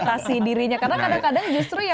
mutasi dirinya karena kadang kadang justru ya